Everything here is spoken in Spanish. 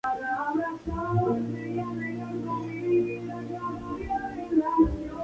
En cualquier caso, su estado de conservación impide cualquier determinación.